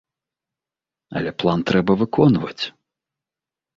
Але план трэба выконваць.